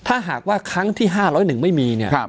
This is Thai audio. ถ้าหากว่าครั้งที่ห้าร้อยหนึ่งไม่มีเนี้ยครับ